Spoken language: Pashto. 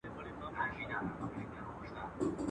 له رام رام څخه تښتېدم، پر کام کام واوښتم.